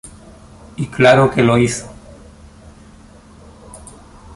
Y claro que lo hizo.